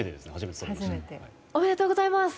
おめでとうございます。